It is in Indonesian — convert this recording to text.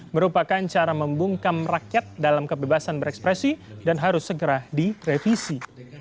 merupakan cara membungkam rakyat dalam kebebasan berekspresi dan harus segera direvisi